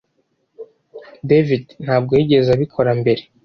David ntabwo yigeze abikora mbere